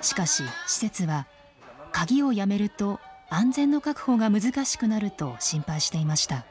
しかし施設は鍵をやめると安全の確保が難しくなると心配していました。